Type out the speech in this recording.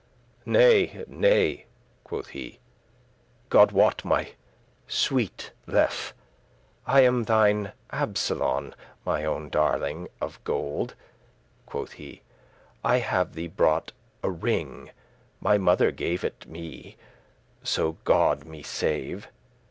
"Nay, nay," quoth he, "God wot, my sweete lefe*, *love I am thine Absolon, my own darling. Of gold," quoth he, "I have thee brought a ring, My mother gave it me, so God me save!